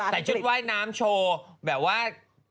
ชุดว่ายน้ำโชว์แบบว่า